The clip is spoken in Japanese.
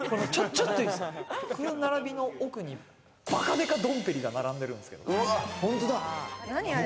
この並びの奥にばかデカドンペリが並んでるんですけど。